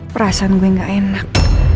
perasaan gue gak enak